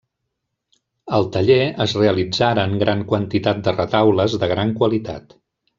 Al taller es realitzaren gran quantitat de retaules de gran qualitat.